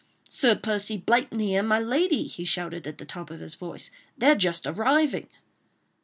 "Sir Percy Blakeney and my lady," he shouted at the top of his voice, "they're just arriving."